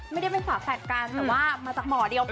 ไม่ได้เป็นฝาแฝดกันแต่ว่ามาจากหมอเดียวกัน